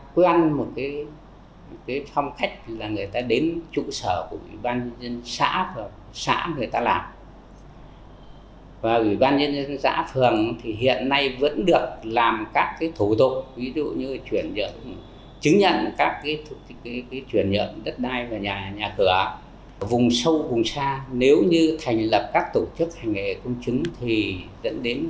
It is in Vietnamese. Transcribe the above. vùng sâu vùng xa nếu như thành lập các tổ chức hành nghề công chứng thì dẫn đến là không có việc